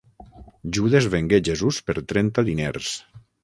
Judes vengué Jesús per trenta diners.